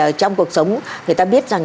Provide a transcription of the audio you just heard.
bởi vì là trong cuộc sống người ta biết rằng